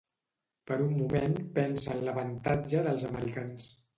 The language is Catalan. Per un moment pensa en l'avantatge dels americans.